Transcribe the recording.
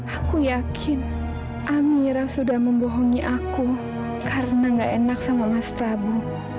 aku yakin amiraf sudah membohongi aku karena gak enak sama mas prabu